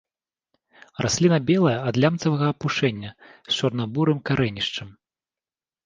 Расліна белая ад лямцавага апушэння, з чорна-бурым карэнішчам.